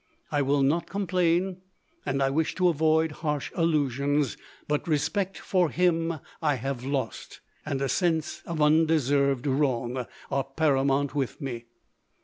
I will not complain, and I wish to avoid harsh allusions, but respect for her I have lost, and a sense of undeserved wrong, are paramount with me.